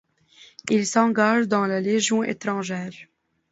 Il s'engage dans la légion étrangère.